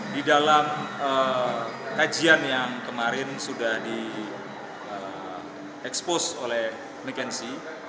di dalam kajian yang kemarin sudah di expose oleh mckenzi